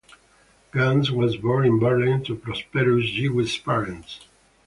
Gans was born in Berlin to prosperous Jewish parents.